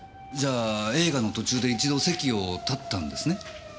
じゃあ映画の途中で一度席を立ったんですね？